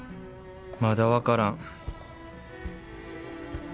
まだ分からん。